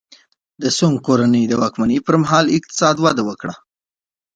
د سونګ کورنۍ د واکمنۍ پرمهال اقتصاد وده وکړه.